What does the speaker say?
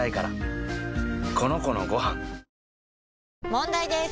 問題です！